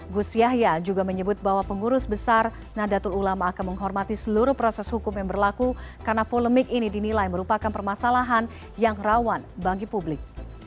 gus yahya juga menyebut bahwa pengurus besar nadatul ulama akan menghormati seluruh proses hukum yang berlaku karena polemik ini dinilai merupakan permasalahan yang rawan bagi publik